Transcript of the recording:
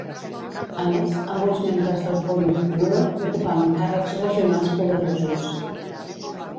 A més, alguns membres del Politburo ocupaven càrrecs regionals poderosos.